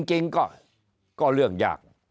จริงก็เรื่องยาก